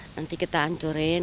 nanti kita ancurin